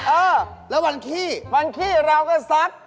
เออแล้ววันขี้วันขี้เราก็ซัก